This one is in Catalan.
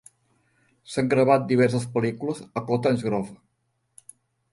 S'han gravat diverses pel·lícules a Cottage Grove.